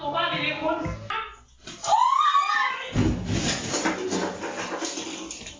ออกแบบเสื้อใจแล้วซักนึงค่ะ